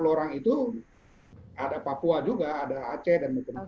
empat lima puluh orang itu ada papua juga ada aceh dan macam macam